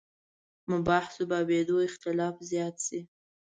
مباحثو بابېدو اختلاف زیات شي.